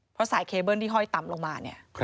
เพราะสายเคเบิ้ลที่ห้อยต่ำลงมาเนี่ย